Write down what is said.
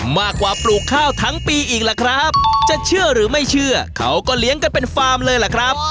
มากกว่าปลูกข้าวทั้งปีอีกล่ะครับจะเชื่อหรือไม่เชื่อเขาก็เลี้ยงกันเป็นฟาร์มเลยล่ะครับ